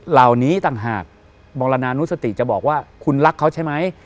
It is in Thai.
เหล่านี้ต่างหากบรณานุสติจะบอกว่าคุณรักเขาใช่ไหม